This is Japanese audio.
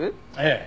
ええ。